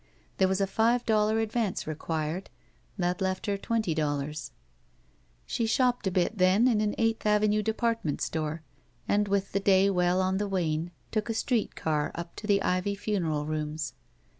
There was a five dollar advance required. That left her twenty doUars. She shopped a bit then in an Eighth Avenue department store, and, with the day well on the wane, took a street car up to the Ivy Funeral Rooms.